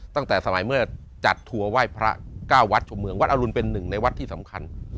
ตั้งแต่สมัยเมื่อจัดทัวร์ไหว้พระเก้าวัดชมเมืองวัดอรุณเป็นหนึ่งในวัดที่สำคัญ